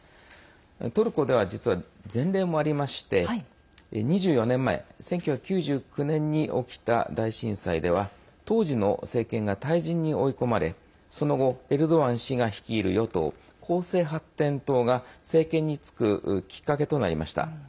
トルコでは実は前例もありまして２４年前１９９９年に起きた大震災では当時の政権が退陣に追い込まれその後エルドアン氏が率いる与党公正発展党が政権に就くきっかけとなりました。